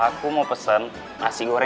aku mau pesen nasi goreng